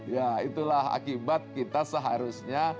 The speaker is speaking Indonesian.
ya itulah akibat kita seharusnya